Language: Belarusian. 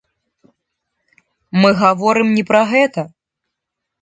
Мы гаворым не пра гэта!